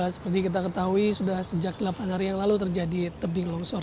seperti kita ketahui sudah sejak delapan hari yang lalu terjadi tebing longsor